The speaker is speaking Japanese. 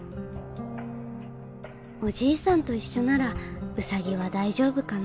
おじいさんと一緒ならウサギは大丈夫かな。